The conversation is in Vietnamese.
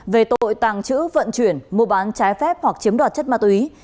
về tội tàng trữ vận chuyển mua bán trái phép hoặc chiếm đoạt chất ma túy